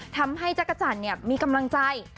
ทำให้จักรจันทร์มีกำลังใจ